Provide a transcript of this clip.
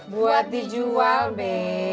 buat dijual be